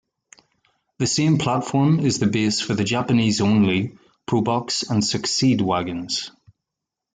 The same platform is the base for the Japanese-only Probox and Succeed wagons.